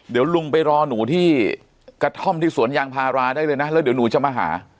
เดี๋ยวลุงไปรอหนูที่กระท่อมที่สวนยางพาราได้เลยนะแล้วเดี๋ยวหนูจะมาหา